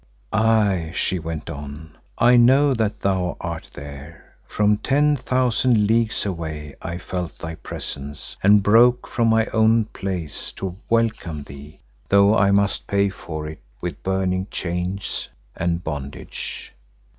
"Aye," she went on, "I know that thou art there; from ten thousand leagues away I felt thy presence and broke from my own place to welcome thee, though I must pay for it with burning chains and bondage.